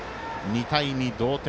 ２対２同点。